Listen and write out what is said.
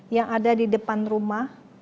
yang ada di depan rumah